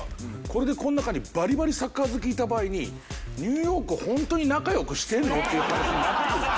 これでこの中にバリバリサッカー好きいた場合にニューヨークホントに仲良くしてるの？っていう話になってくる。